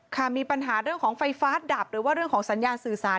ค่ะมีปัญหาเรื่องของไฟฟ้าดับหรือว่าเรื่องของสัญญาณสื่อสาร